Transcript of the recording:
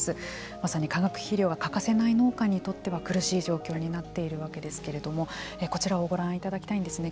まさに化学肥料が欠かせない農家にとっては苦しい状況になっているわけですけれどもこちらをご覧いただきたいんですね。